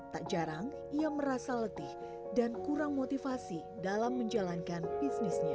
tak jarang ia merasa letih dan kurang motivasi dalam menjalankan bisnisnya